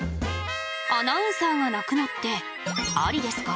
アナウンサーが泣くのってありですか？